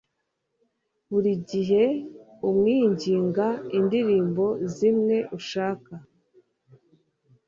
Buri gihe umwinginga indirimbo zimwe ushaka